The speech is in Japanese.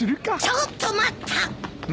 ちょっと待った！